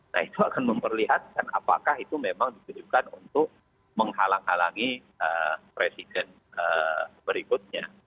nah itu akan memperlihatkan apakah itu memang ditujukan untuk menghalang halangi presiden berikutnya